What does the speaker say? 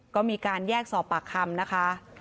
ก็มีการแยกสอบปากคำนะคะ